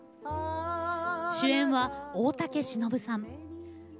主演は大竹しのぶさん。